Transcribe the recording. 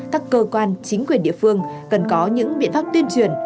các cơ quan chính quyền địa phương cần có những biện pháp tuyên truyền